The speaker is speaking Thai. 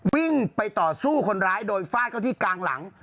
วิ่งไปต่อสู้คนร้ายโดยฟาดเข้าที่กลางหลัง